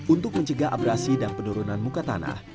untuk mencegah abrasi dan penurunan muka tanah